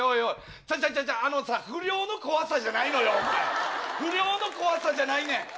ちょいちょい、あのさ、不良の怖さじゃないのよ、不良の怖さじゃないねん。